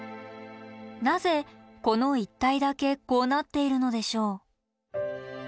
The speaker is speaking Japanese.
なぜこの一帯だけこうなっているのでしょう？